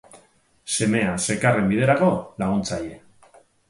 Semea zekarren biderako laguntzaile.